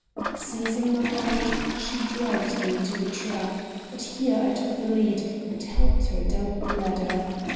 Seizing my hand, she dragged me to the trap; but here I took the lead, and helped her down the ladder.